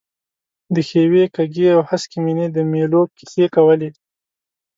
د ښیوې، کږې او هسکې مېنې د مېلو کیسې کولې.